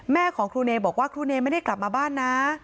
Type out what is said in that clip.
แม่ของครูเนบอกว่าครูเนยไม่ได้กลับมาบ้านนะ